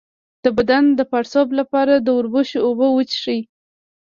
د بدن د پړسوب لپاره د وربشو اوبه وڅښئ